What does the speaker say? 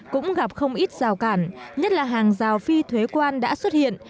cũng gặp không ít rào cản nhất là hàng rào phi thuế quan đã xuất hiện